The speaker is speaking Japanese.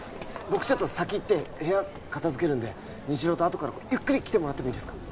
僕ちょっと先行って部屋片づけるんで虹朗とあとからゆっくり来てもらってもいいですか？